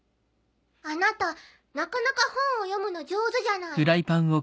あなたなかなか本を読むの上手じゃない。